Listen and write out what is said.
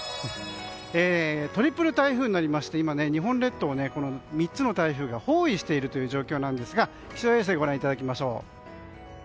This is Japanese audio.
トリプル台風になりまして今、日本列島を３つの台風が包囲している状況なんですが気象衛星をご覧いただきましょう。